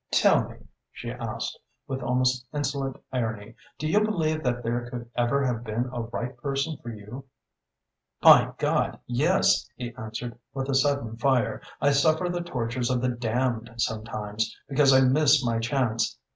"Tell me," she asked, with almost insolent irony, "do you believe that there could ever have been a right person for you?" "My God, yes!" he answered, with a sudden fire. "I suffer the tortures of the damned sometimes because I missed my chance!